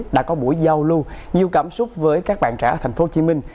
đã có buổi giao lưu nhiều cảm xúc với các bạn trẻ ở thành phố hồ chí minh